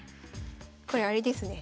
これあれですね